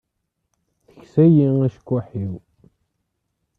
Teksa-yi acekkuḥ-iw.